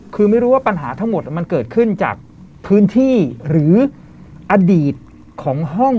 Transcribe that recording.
คือไม่รู้ว่าปัญหาทั้งหมดมันเกิดขึ้นจากพื้นที่หรืออดีตของห้อง